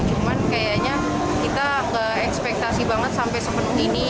cuman kayaknya kita nggak ekspektasi banget sampai sepenuh ini